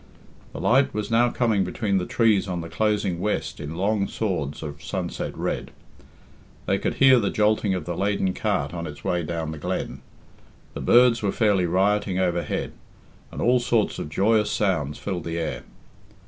The light was now coming between the trees on the closing west in long swords of sunset red. They could hear the jolting of the laden cart on its way down the glen. The birds were fairly rioting overhead, and all sorts of joyous sounds filled the air.